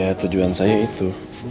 ya tujuan saya itu